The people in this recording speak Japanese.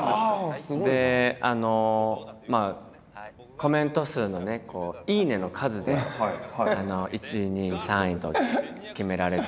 コメント数のね「いいね」の数で１位２位３位と決められて。